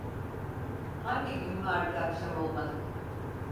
Hangi gün vardır akşam olmadık.